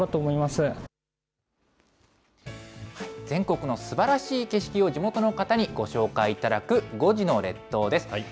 全国のすばらしい景色を地元の方にご紹介いただく５時の列島です。